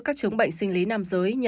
các chống bệnh sinh lý nam giới